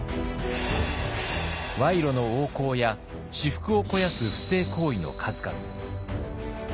賄賂の横行や私腹を肥やす不正行為の数々。